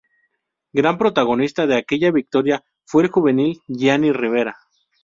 Gran protagonista de aquella victoria fue el juvenil Gianni Rivera.